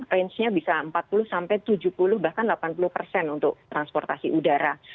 range nya bisa empat puluh sampai tujuh puluh bahkan delapan puluh persen untuk transportasi udara